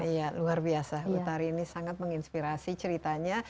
iya luar biasa hutari ini sangat menginspirasi ceritanya